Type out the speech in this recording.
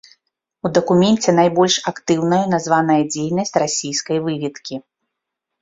У дакуменце найбольш актыўнаю названая дзейнасць расійскай выведкі.